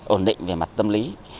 ổn định về mặt tâm lý